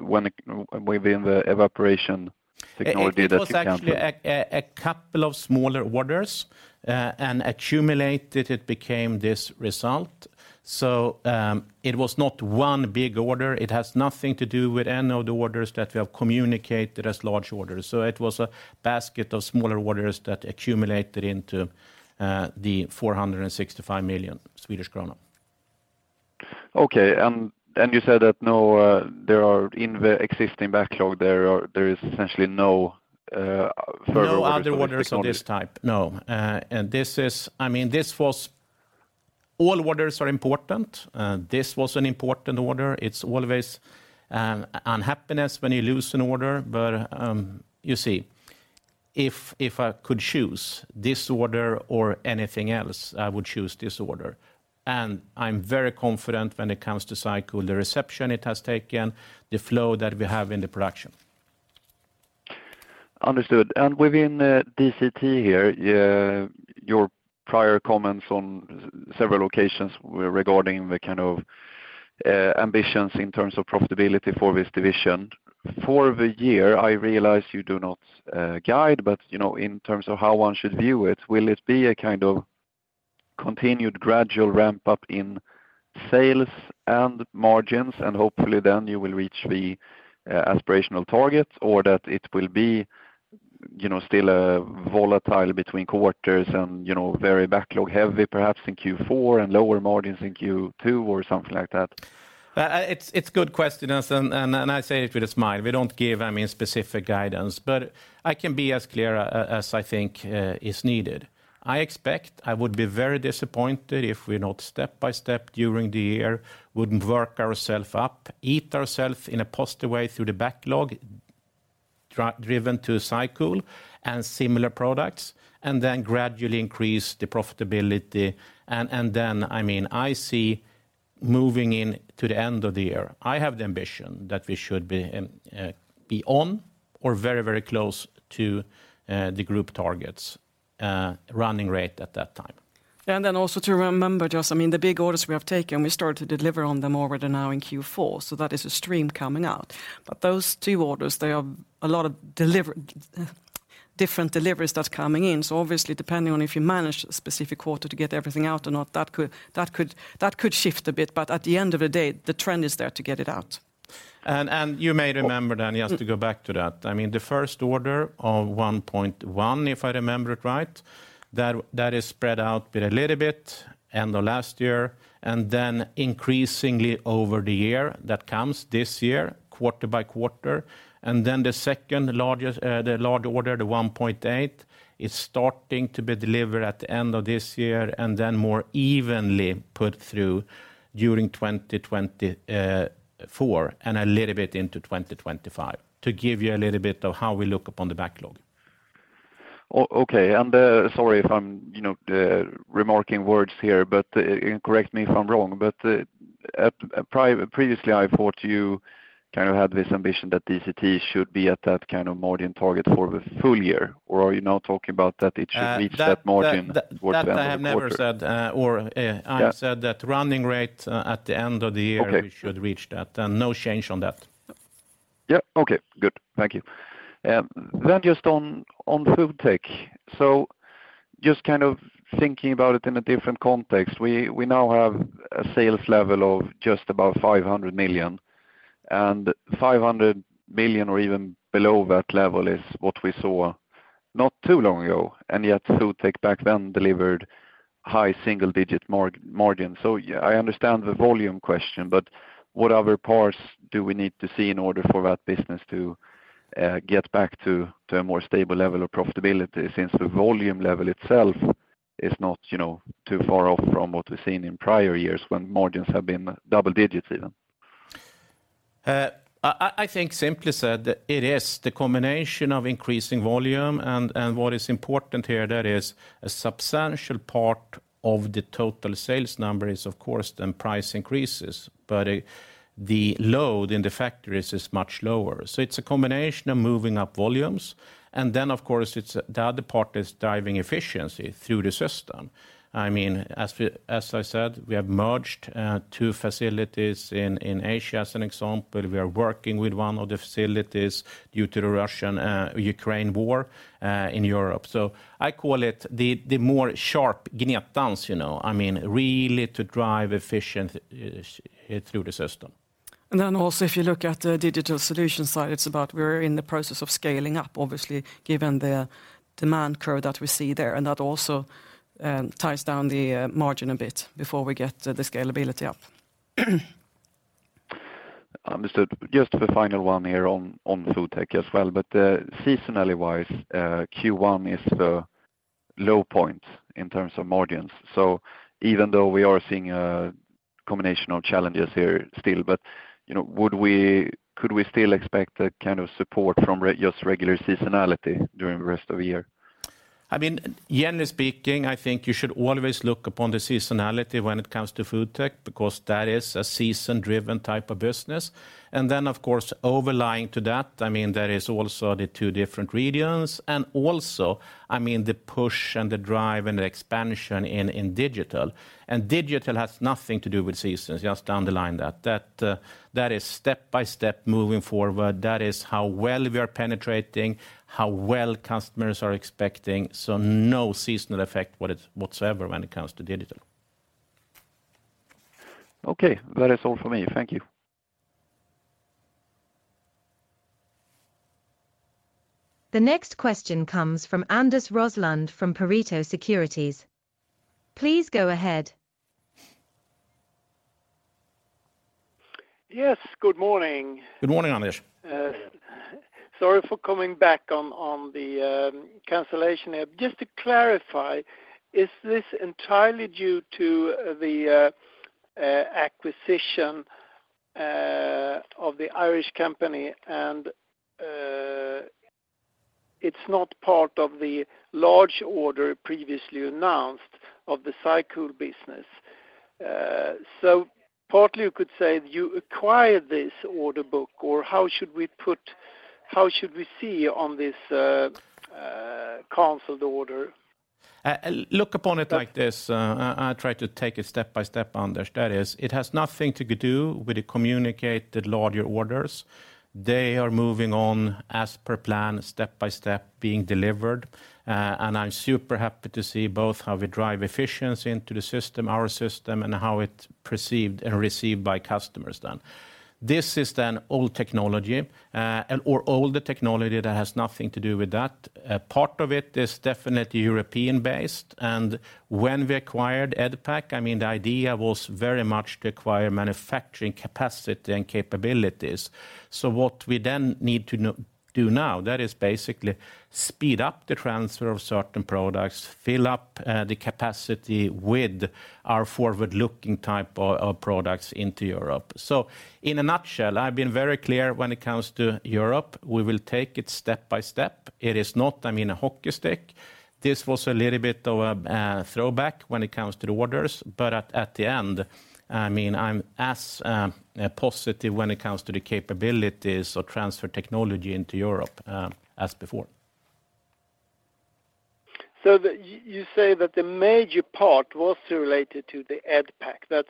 within the evaporation technology? It was actually a couple of smaller orders, and accumulated, it became this result. It was not one big order. It has nothing to do with any of the orders that we have communicated as large orders. It was a basket of smaller orders that accumulated into the 465 million Swedish krona. Okay. You said that no, in the existing backlog, there is essentially no further orders for this technology. No other orders of this type, no. I mean, All orders are important. This was an important order. It's always unhappiness when you lose an order. You see, if I could choose this order or anything else, I would choose this order. I'm very confident when it comes to DryCool, the reception it has taken, the flow that we have in the production. Understood. Within DCT here, your prior comments on several occasions were regarding the kind of ambitions in terms of profitability for this division. For the year, I realize you do not guide, you know, in terms of how one should view it, will it be a kind of continued gradual ramp-up in sales and margins, and hopefully then you will reach the aspirational targets? Or that it will be, you know, still volatile between quarters and, you know, very backlog heavy, perhaps in Q4 and lower margins in Q2 or something like that? It's good question. I say it with a smile. We don't give, I mean, specific guidance. I can be as clear as I think is needed. I expect I would be very disappointed if we're not step by step during the year, wouldn't work ourself up, eat ourself in a positive way through the backlog, driven to DryCool and similar products, and then gradually increase the profitability. Then, I mean, I see moving in to the end of the year, I have the ambition that we should be on or very, very close to the group targets running rate at that time. Also to remember, just, I mean, the big orders we have taken, we start to deliver on them already now in Q4, so that is a stream coming out. Those two orders, they are a lot of Different deliveries that's coming in. Obviously, depending on if you manage a specific quarter to get everything out or not, that could shift a bit, but at the end of the day, the trend is there to get it out. You may remember then, just to go back to that, I mean, the first order of 1.1, if I remember it right, that is spread out with a little bit end of last year, and then increasingly over the year that comes this year, quarter by quarter. The second largest, the large order, 1.8, is starting to be delivered at the end of this year, and then more evenly put through during 2024 and a little bit into 2025, to give you a little bit of how we look upon the backlog. Okay. Sorry if I'm, you know, remarking words here, but correct me if I'm wrong, but previously, I thought you kind of had this ambition that DCT should be at that kind of margin target for the full year. Are you now talking about that it should reach that margin quarter by quarter? That I have never said, or I said that running rate at the end of the year. Okay. We should reach that, and no change on that. Yeah, okay. Good. Thank you. Just on FoodTech. Just kind of thinking about it in a different context, we now have a sales level of just about 500 million. 500 million or even below that level is what we saw not too long ago, and yet FoodTech back then delivered high single-digit margin. Yeah, I understand the volume question, but what other parts do we need to see in order for that business to get back to a more stable level of profitability since the volume level itself is not, you know, too far off from what we've seen in prior years when margins have been double-digits even? I think simply said, it is the combination of increasing volume and what is important here, that is a substantial part of the total sales number is of course then price increases. The load in the factories is much lower. It's a combination of moving up volumes, and then of course it's the other part is driving efficiency through the system. I mean, as I said, we have merged two facilities in Asia, as an example. We are working with one of the facilities due to the Russian Ukraine war in Europe. I call it the more sharp levers, you know. I mean, really to drive efficient through the system. If you look at the digital solution side, it's about we're in the process of scaling up obviously, given the demand curve that we see there, and that also ties down the margin a bit before we get the scalability up. Understood. Just the final one here on FoodTech as well. Seasonally wise, Q1 is the low point in terms of margins. Even though we are seeing a combination of challenges here still, you know, could we still expect a kind of support from just regular seasonality during the rest of the year? I mean, generally speaking, I think you should always look upon the seasonality when it comes to FoodTech, because that is a season-driven type of business. Then of course, overlying to that, I mean, there is also the two different regions and also, I mean, the push and the drive and the expansion in digital. Digital has nothing to do with seasons. Just underline that. That is step-by-step moving forward. That is how well we are penetrating, how well customers are expecting, so no seasonal effect whatsoever when it comes to digital. Okay. That is all for me. Thank you. The next question comes from Anders Roslund from Pareto Securities. Please go ahead. Yes, good morning. Good morning, Anders. Sorry for coming back on the cancellation. Just to clarify, is this entirely due to the acquisition of the Irish company and it's not part of the large order previously announced of the SyCool business? Partly you could say you acquired this order book, or how should we see on this canceled order? Look upon it like this. I'll try to take it step by step, Anders. That is, it has nothing to do with the communicated larger orders. They are moving on as per plan, step by step being delivered. I'm super happy to see both how we drive efficiency into the system, our system, and how it's perceived and received by customers then. This is then old technology, or older technology that has nothing to do with that. Part of it is definitely European-based, and when we acquired EDPAC, I mean, the idea was very much to acquire manufacturing capacity and capabilities. What we then need to do now, that is basically speed up the transfer of certain products, fill up, the capacity with our forward-looking type of products into Europe. In a nutshell, I've been very clear when it comes to Europe, we will take it step by step. It is not, I mean, a hockey stick. This was a little bit of a throwback when it comes to the orders. At the end, I mean, I'm as positive when it comes to the capabilities or transfer technology into Europe as before. You say that the major part was related to the EDPAC.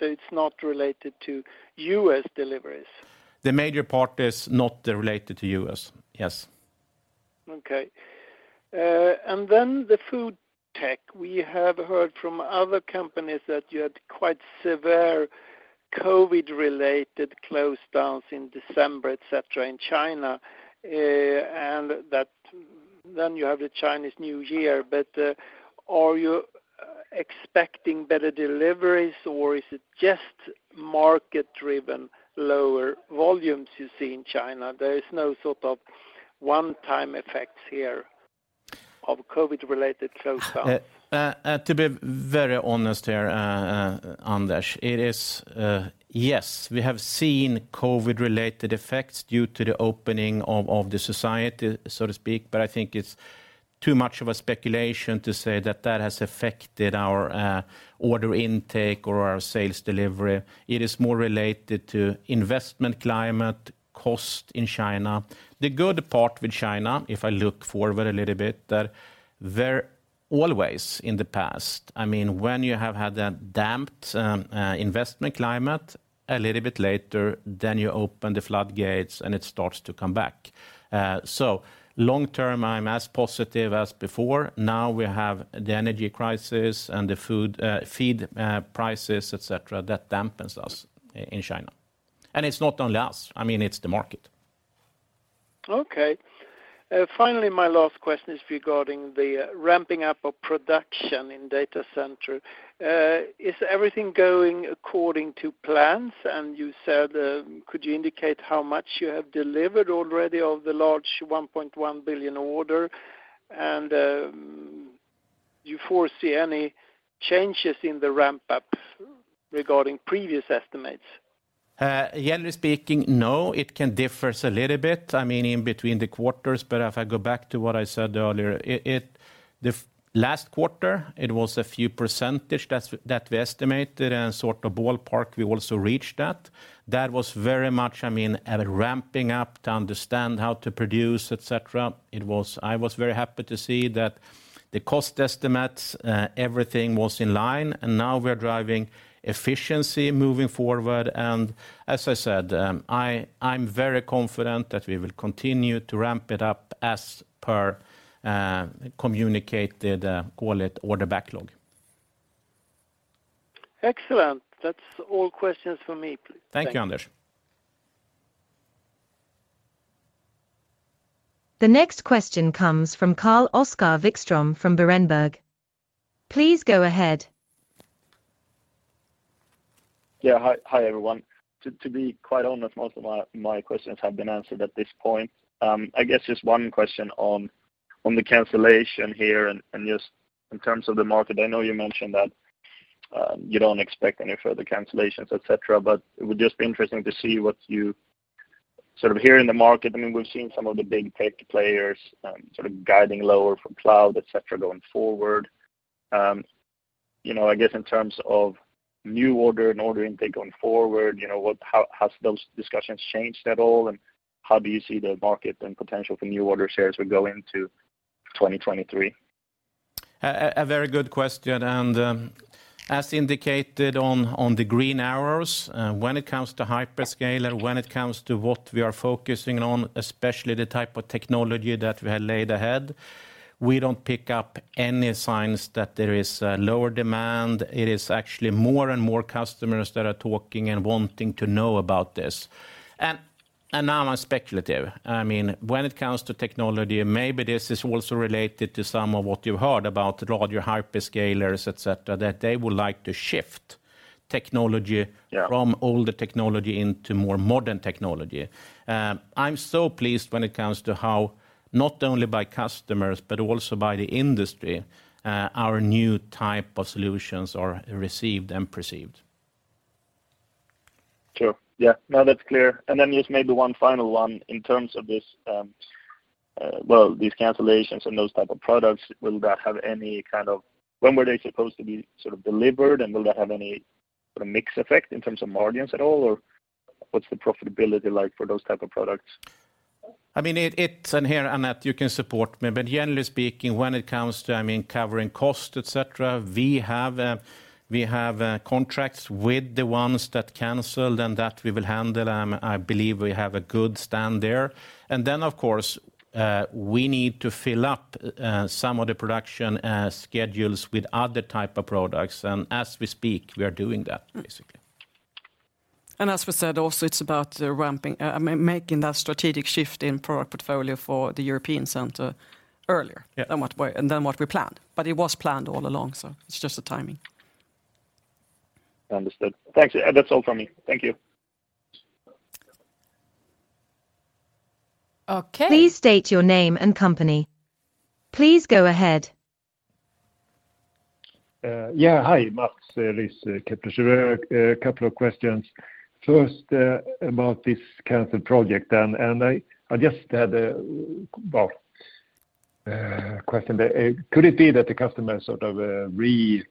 It's not related to U.S. deliveries? The major part is not related to U.S., yes. Okay. The FoodTech. We have heard from other companies that you had quite severe COVID-related closedowns in December, et cetera, in China, you have the Chinese New Year. Are you expecting better deliveries or is it just market-driven lower volumes you see in China? There is no sort of one-time effects here of COVID-related closedown? To be very honest here, Anders, it is, yes, we have seen COVID-related effects due to the opening of the society, so to speak. I think it's too much of a speculation to say that that has affected our order intake or our sales delivery. It is more related to investment climate, cost in China. The good part with China, if I look forward a little bit, that there always in the past, I mean, when you have had a damped investment climate, a little bit later, then you open the floodgates and it starts to come back. Long term, I'm as positive as before. Now we have the energy crisis and the food, feed prices, et cetera, that dampens us in China. It's not only us, I mean, it's the market. Okay. Finally, my last question is regarding the ramping up of production in data center. Is everything going according to plans? You said, could you indicate how much you have delivered already of the large $1.1 billion order? You foresee any changes in the ramp up regarding previous estimates? Generally speaking, no. It can differs a little bit, I mean, in between the quarters. If I go back to what I said earlier, the last quarter, it was a few % that we estimated and sort of ballpark we also reached that. That was very much, I mean, at a ramping up to understand how to produce, et cetera. I was very happy to see that the cost estimates, everything was in line. Now we're driving efficiency moving forward. As I said, I'm very confident that we will continue to ramp it up as per communicated, call it order backlog. Excellent. That's all questions for me, please. Thank you. Thank you, Anders. The next question comes from Karl-Oskar Vikström from Berenberg. Please go ahead. Hi everyone. To be quite honest, most of my questions have been answered at this point. I guess just 1 question on the cancellation here and just in terms of the market. I know you mentioned that you don't expect any further cancellations, et cetera, but it would just be interesting to see what you sort of hear in the market. I mean, we've seen some of the big tech players sort of guiding lower from cloud, et cetera, going forward. You know, I guess in terms of new order and order intake going forward, you know, how has those discussions changed at all? How do you see the market and potential for new order shares would go into 2023? A very good question. As indicated on the green arrows, when it comes to hyperscaler, when it comes to what we are focusing on, especially the type of technology that we have laid ahead, we don't pick up any signs that there is lower demand. It is actually more and more customers that are talking and wanting to know about this. Now I'm speculative. I mean, when it comes to technology, maybe this is also related to some of what you've heard about larger hyperscalers, et cetera, that they would like to shift technology. Yeah... from older technology into more modern technology. I'm so pleased when it comes to how, not only by customers but also by the industry, our new type of solutions are received and perceived. Sure. Yeah, no, that's clear. Then just maybe one final one in terms of this, well, these cancellations and those type of products, will that have any kind of... When were they supposed to be sort of delivered, and will that have any sort of mix effect in terms of margins at all, or what's the profitability like for those type of products? I mean, it. Here, Annette, you can support me. Generally speaking, when it comes to, I mean, covering cost, et cetera, we have contracts with the ones that canceled and that we will handle. I believe we have a good stand there. Then, of course, we need to fill up some of the production schedules with other type of products. As we speak, we are doing that, basically. Mm-hmm. As we said also, it's about ramping, making that strategic shift in product portfolio for the European center earlier-. Yeah... than what we planned. It was planned all along, so it's just the timing. Understood. Thank you. That's all from me. Thank you. Okay. Please state your name and company. Please go ahead. Yeah. Hi. Mats Liss. Kepler Cheuvreux. A couple of questions. First, about this canceled project, and I just had a, well, question. Could it be that the customer sort of replan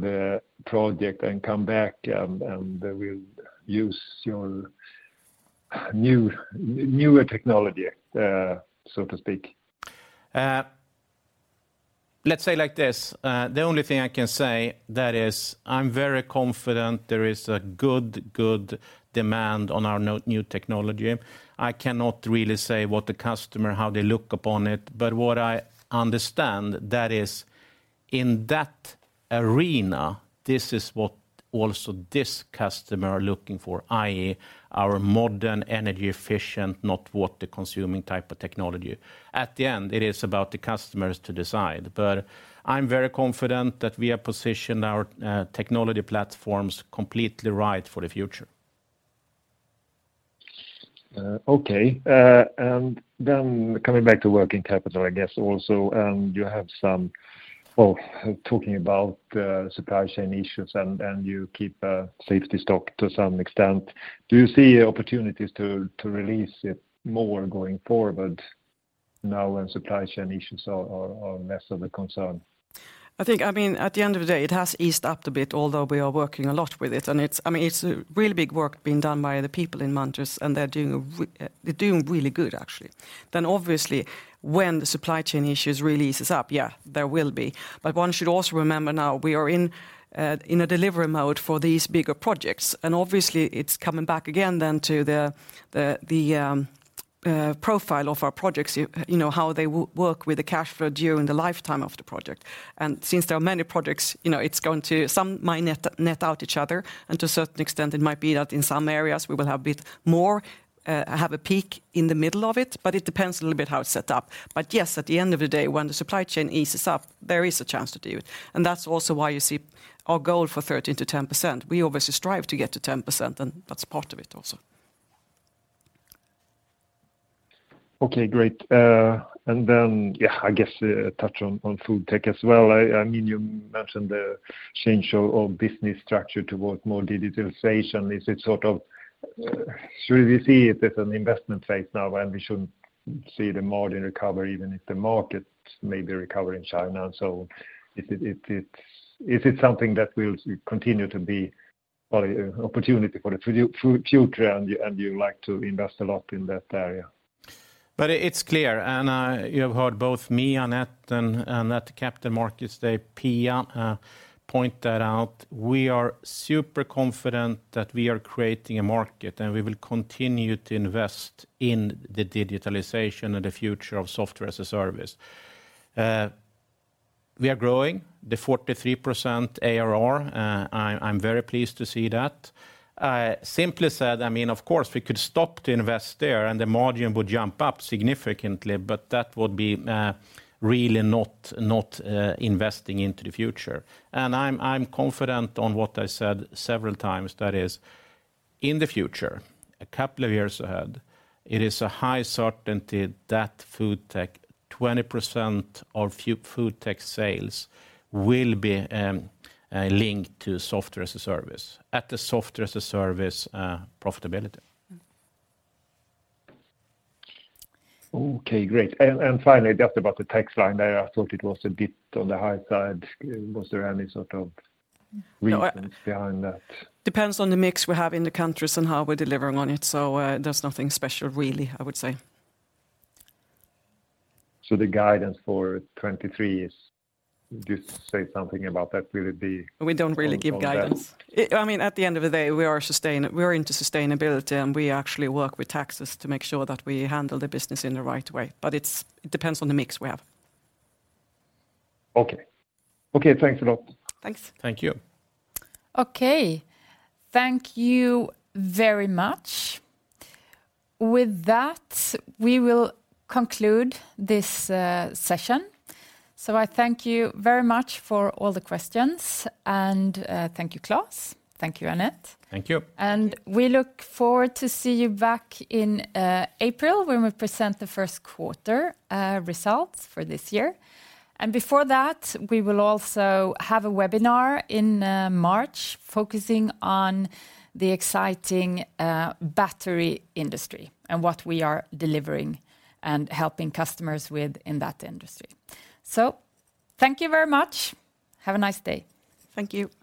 the project and come back, and will use your newer technology, so to speak? Let's say like this, the only thing I can say that is I'm very confident there is a good demand on our new technology. I cannot really say what the customer, how they look upon it, but what I understand, that is in that arena, this is what also this customer are looking for, i.e., our modern, energy efficient, not water consuming type of technology. At the end, it is about the customers to decide, but I'm very confident that we have positioned our technology platforms completely right for the future. Okay. Coming back to working capital, I guess also, talking about supply chain issues and you keep a safety stock to some extent, do you see opportunities to release it more going forward now when supply chain issues are less of a concern? I think, I mean, at the end of the day, it has eased up a bit, although we are working a lot with it, and it's, I mean, it's a really big work being done by the people in Munters, and they're doing really good, actually. Obviously, when the supply chain issues really eases up, yeah, there will be. One should also remember now we are in a delivery mode for these bigger projects, and obviously it's coming back again then to the profile of our projects, you know, how they work with the cash flow during the lifetime of the project. Since there are many projects, you know, it's going to some might net-net out each other, and to a certain extent it might be that in some areas we will have a bit more, have a peak in the middle of it, but it depends a little bit how it's set up. Yes, at the end of the day, when the supply chain eases up, there is a chance to do it, and that's also why you see our goal for 13%-10%. We obviously strive to get to 10%, and that's part of it also Okay, great. Then, yeah, I guess, touch on FoodTech as well. I mean, you mentioned the change of business structure towards more digitalization. Should we see it as an investment phase now, and we should see the margin recover even if the market may be recovering China and so? Is it something that will continue to be, well, opportunity for the future and you like to invest a lot in that area? It's clear, and you have heard both me, Annette, and at the Capital Markets Day, Pia, point that out. We are super confident that we are creating a market, and we will continue to invest in the digitalization and the future of software as a service. We are growing the 43% ARR. I'm very pleased to see that. Simply said, I mean, of course, we could stop to invest there, and the margin would jump up significantly, but that would be really not investing into the future. I'm confident on what I said several times. That is, in the future, a couple of years ahead, it is a high certainty that FoodTech, 20% of FoodTech sales will be linked to software as a service at the software as a service profitability. Okay, great. Finally, just about the tax line there, I thought it was a bit on the high side. Was there any sort of reasons behind that? Depends on the mix we have in the countries and how we're delivering on it. There's nothing special really, I would say The guidance for 2023 is... Just say something about that. We don't really give guidance.... on that? I mean, at the end of the day, we are into sustainability. We actually work with taxes to make sure that we handle the business in the right way, but it depends on the mix we have. Okay. Okay, thanks a lot. Thanks. Thank you. Okay. Thank you very much. With that, we will conclude this session. I thank you very much for all the questions, and thank you, Klas. Thank you, Annette. Thank you. We look forward to see you back in April when we present the first quarter results for this year. Before that, we will also have a webinar in March focusing on the exciting battery industry and what we are delivering and helping customers with in that industry. Thank you very much. Have a nice day. Thank you.